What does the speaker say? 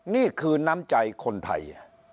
นี่คือน้ำใจคนไทย